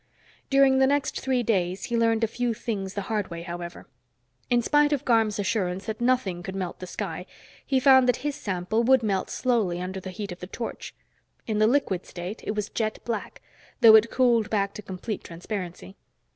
During the next three days he learned a few things the hard way, however. In spite of Garm's assurance that nothing could melt the sky, he found that his sample would melt slowly under the heat of the torch. In the liquid state, it was jet black, though it cooled back to complete transparency.